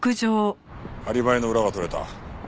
アリバイの裏が取れた。